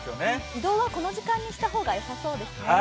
移動はこの時間にした方がよさそうですね。